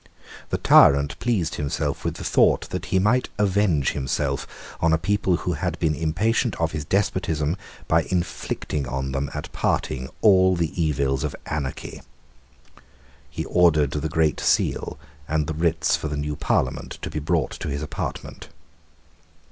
The tyrant pleased himself with the thought that he might avenge himself on a people who had been impatient of his despotism by inflicting on them at parting all the evils of anarchy. He ordered the Great Seal and the writs for the new Parliament to be brought to his apartment.